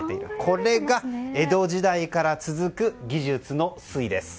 これが江戸時代から続く技術の粋です。